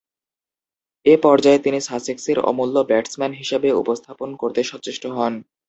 এ পর্যায়ে তিনি সাসেক্সের অমূল্য ব্যাটসম্যান হিসেবে উপস্থাপন করতে সচেষ্ট হন।